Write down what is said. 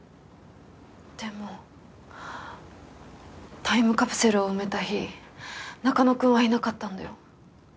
でもタイムカプセルを埋めた日中野くんはいなかったんだよ。